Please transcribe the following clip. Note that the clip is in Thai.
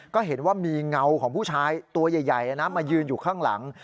ก็เห็นว่ามีเงาของผู้ชายตัวใหญ่มายืนอยู่ข้างหลัง